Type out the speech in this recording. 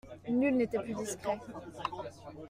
Nul n'était plus discret.